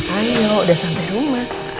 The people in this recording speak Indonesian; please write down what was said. ayo udah sampai rumah